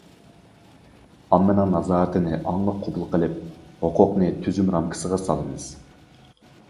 ئاممىنىڭ نازارىتىنى ئاڭلىق قوبۇل قىلىپ، ھوقۇقنى تۈزۈم رامكىسىغا سالىمىز.